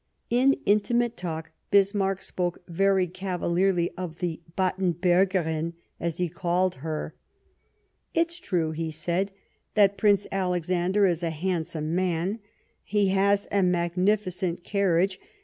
In intimate talk Bismarck spoke very cavalierly of the Battenbcrgerin, as he called her. " It's true," he said, " that Prince Alexander is a handsome man ; he has a magnificent carriage.